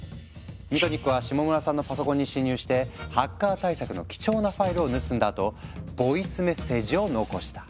ミトニックは下村さんのパソコンに侵入してハッカー対策の貴重なファイルを盗んだあとボイスメッセージを残した。